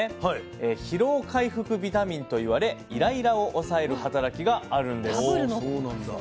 疲労回復ビタミンと言われイライラを抑える働きがあるんです。